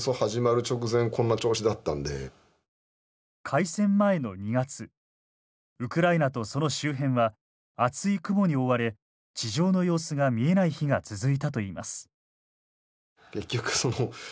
開戦前の２月ウクライナとその周辺は厚い雲に覆われ地上の様子が見えない日が続いたといいます。